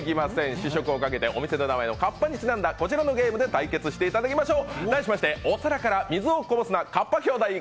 試食をかけて、お店の名前のかっぱにちなんだこちらのゲームで対決していただきましょう。